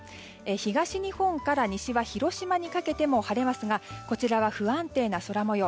東日本から西は広島にかけても晴れますがこちらは不安定な空模様。